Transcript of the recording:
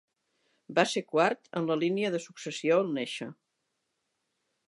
Va ser quart en la línia de successió al néixer.